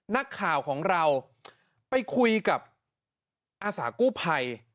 นักข่าวของเราไปคุยกับอาสากู้ภัย